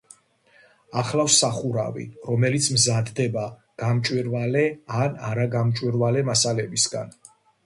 ახლავს სახურავი, რომელიც მზადდება გამჭვირვალე ან არაგამჭვირვალე მასალებისგან.